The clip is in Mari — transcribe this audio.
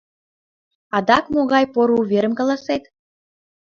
Адак могай поро уверым каласет?